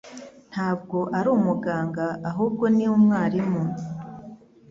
Ntabwo ari umuganga, ahubwo ni umwarimu.